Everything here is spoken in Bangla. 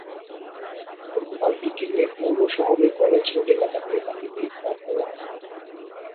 গতকাল বিকেলে পৌর শহরের কলেজ রোড এলাকা থেকে তাঁকে গ্রেপ্তার করা হয়।